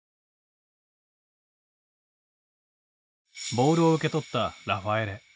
ボールを受け取ったラファエレ。